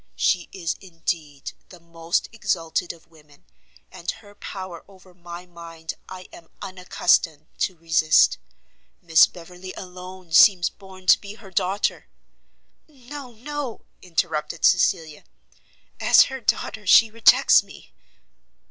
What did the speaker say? She is, indeed, the most exalted of women, and her power over my mind I am unaccustomed to resist. Miss Beverley alone seems born to be her daughter " "No, no," interrupted Cecilia, "as her daughter she rejects me!"